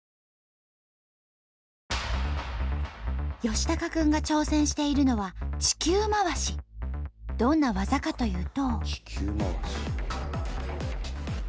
吉孝君が挑戦しているのはどんな技かというと。